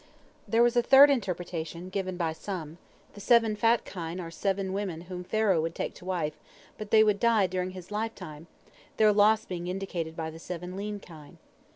There was a third interpretation, given by some: The seven fat kine are seven women whom Pharaoh would take to wife, but they would die during his lifetime, their loss being indicated by the seven lean kine.